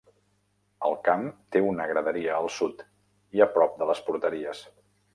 El camp té una graderia al sud i a prop de les porteries.